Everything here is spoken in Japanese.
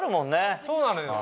そうなのよ